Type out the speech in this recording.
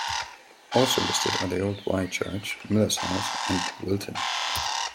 Also listed are the Old Wye Church, Miller's House, and Wilton.